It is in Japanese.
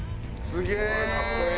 すげえ。